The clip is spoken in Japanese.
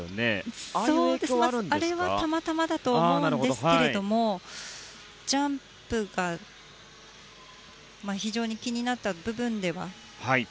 あれはたまたまだと思うんですけれどもジャンプが非常に気になった部分では。